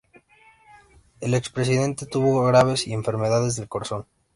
El expresidente tuvo graves enfermedades del corazón.